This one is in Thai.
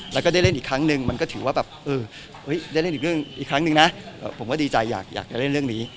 แล้วก็ได้เล่นอีกครั้งหนึ่งมันก็ถือว่าแบบได้เล่นอีกเรื่องอีกครั้งนึงนะผมก็ดีใจอยากจะเล่นเรื่องนี้